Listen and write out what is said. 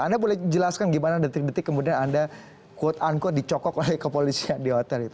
anda boleh jelaskan gimana detik detik kemudian anda quote unquote dicokok lagi kepolisian di hotel itu